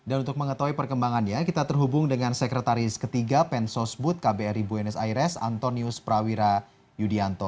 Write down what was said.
dan untuk mengetahui perkembangan ya kita terhubung dengan sekretaris ketiga pensosbud kbri buenos aires antonius prawira yudianto